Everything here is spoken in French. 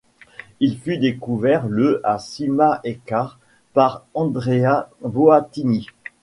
Il fut découvert le à Cima Ekar par Andrea Boattini.